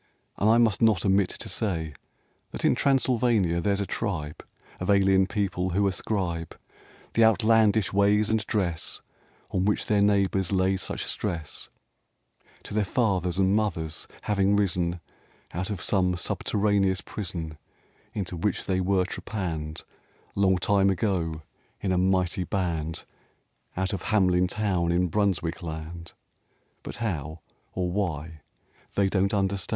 And I must not omit to say That in Transylvania there's a tribe Of alien people who ascribe The outlandish ways and dress On which their neighbors lay such stress, To their fathers and mothers having risen Out of some subterraneous prison Into which they were trepanned Long time ago in a mighty band Out of Harnelin town in Brunswick land, But how or why, they don't understand.